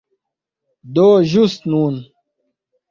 Do ĵus nun